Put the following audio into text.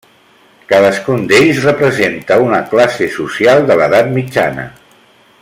Cadascun d'ells representa una classe social de l'Edat Mitjana.